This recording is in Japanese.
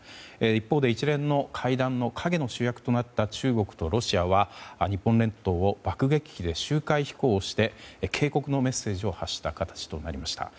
一方で、一連の会談の陰の主役となった中国とロシアは日本列島を爆撃機で周回飛行して警告のメッセージを発した形となりました。